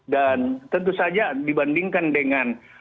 dan tentu saja dibandingkan dengan